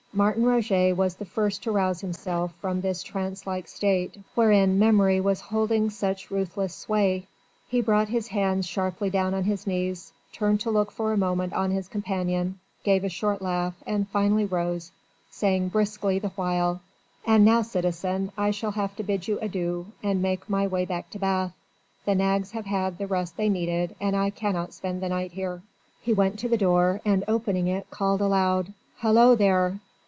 Martin Roget was the first to rouse himself from this trance like state wherein memory was holding such ruthless sway: he brought his hands sharply down on his knees, turned to look for a moment on his companion, gave a short laugh and finally rose, saying briskly the while: "And now, citizen, I shall have to bid you adieu and make my way back to Bath. The nags have had the rest they needed and I cannot spend the night here." He went to the door and opening it called a loud "Hallo, there!"